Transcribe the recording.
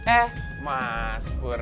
eh mas pur